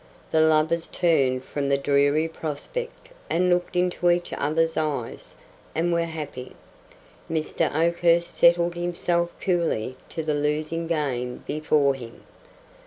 The lovers turned from the dreary prospect and looked into each other's eyes, and were happy. Mr. Oakhurst settled himself coolly to the losing game before him.